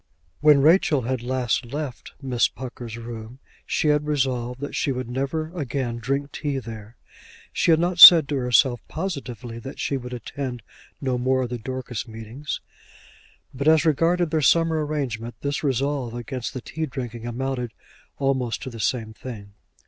When Rachel had last left Miss Pucker's room she had resolved that she would never again drink tea there. She had not said to herself positively that she would attend no more of the Dorcas meetings; but as regarded their summer arrangement this resolve against the tea drinking amounted almost to the same thing.